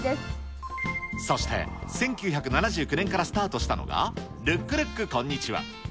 そして、１９７９年からスタートしたのが、ルックルックこんにちは。